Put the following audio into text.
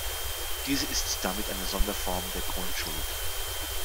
Diese ist damit eine Sonderform der Grundschuld.